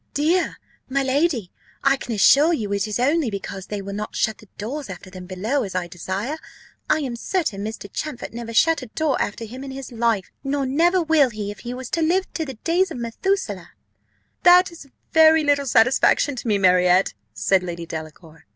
"Dear, my lady! I can assure you it is only because they will not shut the doors after them below, as I desire. I am certain Mr. Champfort never shut a door after him in his life, nor never will if he was to live to the days of Methuselah." "That is very little satisfaction to me, Marriott," said Lady Delacour.